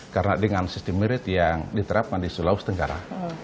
karena dengan sistem merit yang diterapkan di sulawesi tenggara